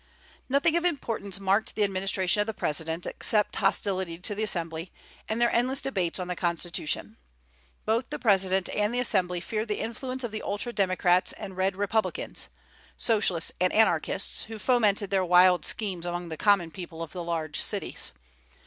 Nothing of importance marked the administration of the President, except hostility to the Assembly, and their endless debates on the constitution. Both the President and the Assembly feared the influence of the ultra democrats and Red Republicans, socialists and anarchists, who fomented their wild schemes among the common people of the large cities.